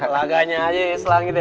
laganya aja islah gitu ya